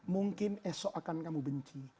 mungkin esok akan kamu benci